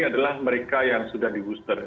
adalah mereka yang sudah di booster